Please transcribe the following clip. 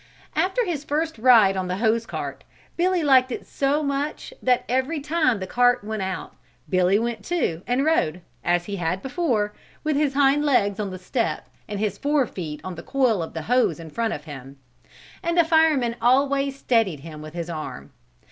After his first ride on the hose cart, Billy liked it so much that every time the cart went out Billy went too and rode, as he had before, with his hind legs on the step and his fore feet on the coil of hose in front of him and the fireman always steadied him with his arm.